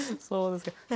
そうですか。